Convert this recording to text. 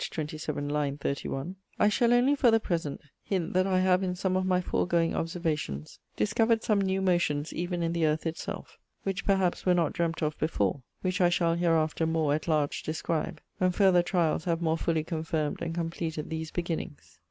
27, line 31 'I shall only for the present hint that I have in some of my foregoing observations discovered some new motions even in the Earth it self, which perhaps were not dreamt of before, which I shall hereafter more at large describe, when further tryalls have more fully confirmed and compleated these beginnings.